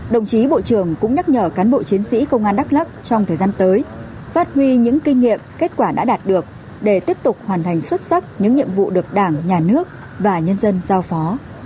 đồng chí bộ trưởng cũng nhắc nhở cán bộ chiến sĩ công an đắk lắc trong thời gian tới phát huy những kinh nghiệm kết quả đã đạt được để tiếp tục hoàn thành xuất sắc những nhiệm vụ được đảng nhà nước và nhân dân giao phó